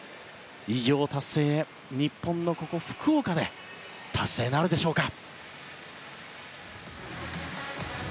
偉業達成へ、日本の福岡で達成なるでしょうか。